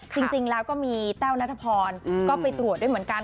จริงแล้วก็มีแต้วนัทพรก็ไปตรวจด้วยเหมือนกัน